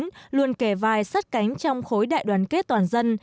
tổ quốc luôn kề vai sắt cánh trong khối đại đoàn kết toàn dân